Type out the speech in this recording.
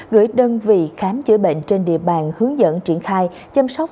gửi đơn vị khám chữa bệnh trên địa bàn hướng dẫn triển khai chăm sóc